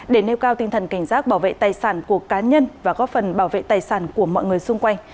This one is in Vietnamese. để nêu cao tinh thần cảnh giác bảo vệ tài sản của cá nhân và góp phần bảo vệ tài sản của mọi người xung quanh